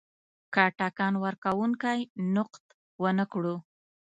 که ټکان ورکونکی نقد ونه کړو.